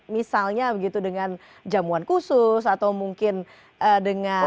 misalnya begitu dengan jamuan khusus atau mungkin dengan